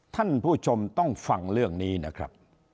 ท่านผู้ชมต้องฟังเรื่องนี้นะครับ